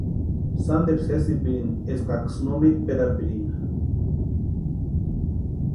Sánteru sésipirinti eskaksï no mítperapirinka.